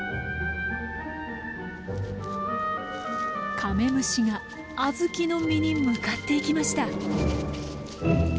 カメムシがアズキの実に向かっていきました。